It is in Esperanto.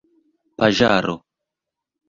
paĝaro